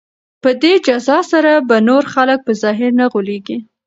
په دې جزا سره به نور خلک په ظاهر نه غولیږي.